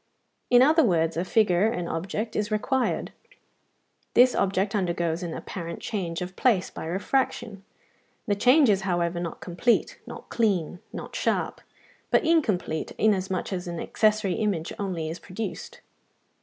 In other words a figure, an object, is required; this object undergoes an apparent change of place by refraction: the change is however not complete, not clean, not sharp; but incomplete, inasmuch as an accessory image only is produced.